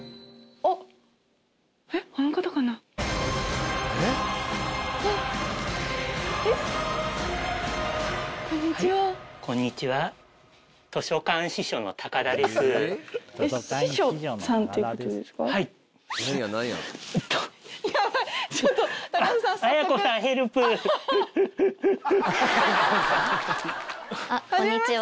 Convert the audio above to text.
あっこんにちは。